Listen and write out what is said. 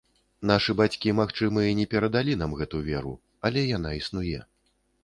Нашы бацькі, магчыма, і не перадалі нам гэту веру, але яна існуе.